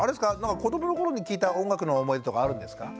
子どものころに聴いた音楽の思い出とかあるんですか？